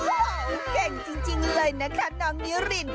โอ้โฮเก่งจริงเลยนะคะน้องมิริน